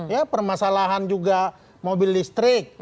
ya permasalahan juga mobil listrik